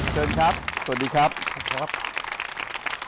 เชิญครับสวัสดีครับคุณพุทธสิริมงคลมหาวิมุธติธรรมครับ